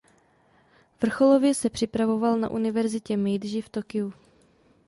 Vrcholově se připravoval na univerzitě Meidži v Tokiu.